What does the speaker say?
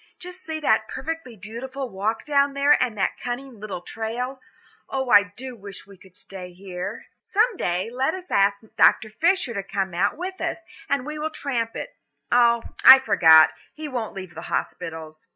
Just see that perfectly beautiful walk down there and that cunning little trail. Oh, I do so wish we could stay here." "Some day, let us ask Dr. Fisher to come out with us, and we will tramp it. Oh, I forgot; he won't leave the hospitals."